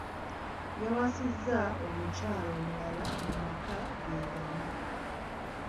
Yawasizza omukyala omulala mu maka ge gamu.